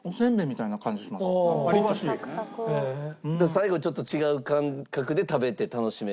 最後ちょっと違う感覚で食べて楽しめるという。